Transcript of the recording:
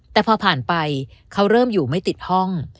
แต่พอผ่านไปเขาเริ่มอยู่ไม่ติดห้อง